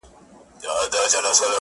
o نوم مي د ليلا په لاس کي وليدی.